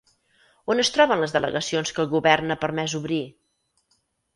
On es troben les delegacions que el govern ha permès obrir?